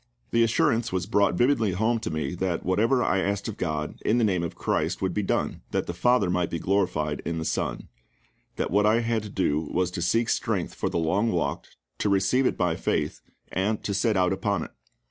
The assurance was brought vividly home to me that whatever I asked of GOD in the name of CHRIST would be done, that the FATHER might be glorified in the SON; that what I had to do was to seek strength for the long walk, to receive it by faith, and to set out upon it.